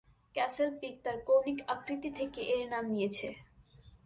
Castle Peak তার কৌণিক আকৃতি থেকে এর নাম নিয়েছে।